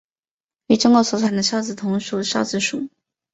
与中国所产的韶子同属韶子属。